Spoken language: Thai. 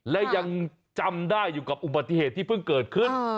และยังจำได้อยู่กับอุบัติเหตุที่เพิ่งเกิดขึ้น